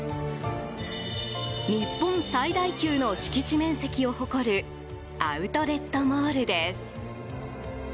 日本最大級の敷地面積を誇るアウトレットモールです。